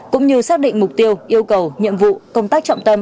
cũng như xác định mục tiêu yêu cầu nhiệm vụ công tác trọng tâm